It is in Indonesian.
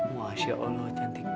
masya allah cantik banget